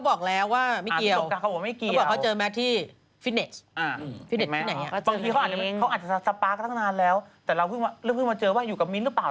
บอกแล้วว่าเขาอาจจะสปาร์คตั้งนานแล้วแต่เราเพิ่งมาเจอว่าอยู่กับมิ้นท์หรือเปล่า